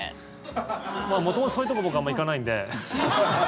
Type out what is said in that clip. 元々そういうところ僕、あんまり行かないんで。